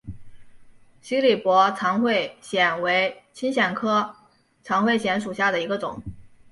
西里伯长喙藓为青藓科长喙藓属下的一个种。